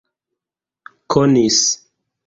konis